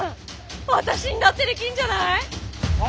私んだってできんじゃない？は？